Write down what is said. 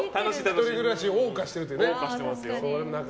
１人暮らしを謳歌してるというか。